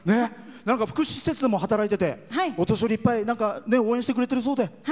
福祉施設でも働いているそうでお年寄り、いっぱい応援してくれているそうで。